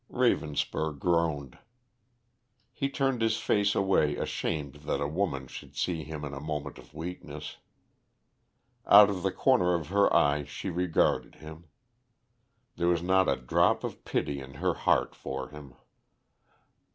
Ravenspur groaned. He turned his face away ashamed that a woman should see him in a moment of weakness. Out of the corner of her eye she regarded him. There was not a drop of pity in her heart for him.